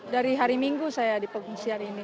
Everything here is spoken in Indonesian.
dari hari minggu saya di pengungsian ini